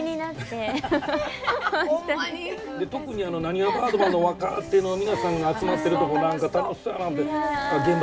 特にあのなにわバードマンの若手の皆さんが集まってるとこ何か楽しそうやな思て。